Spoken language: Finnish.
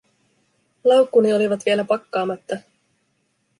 Laukkuni olivat vielä pakkaamatta.